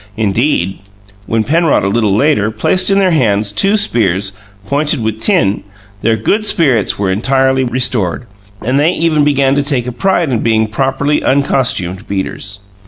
Indeed, when Penrod, a little later, placed in their hands two spears, pointed with tin, their good spirits were entirely restored, and they even began to take a pride in being properly uncostumed beaters.